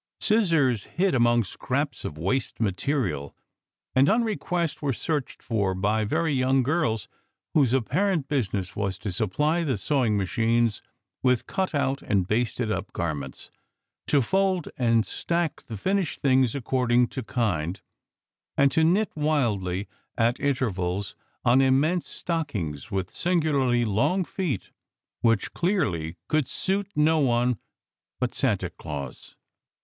Scissors hid among scraps of waste material, and on re quest were searched for by very young girls whose ap parent business was to supply the sewing machines with cut out and basted up garments, to fold and stack the finished things according to kind, and to knit wildly at intervals on immense stockings with singularly long feet which clearly could suit no one but Santa Claus.